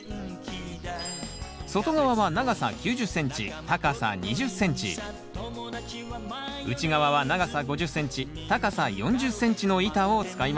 外側は長さ９０ｃｍ高さ２０ｃｍ内側は長さ５０ｃｍ高さ４０ｃｍの板を使います。